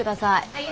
はい。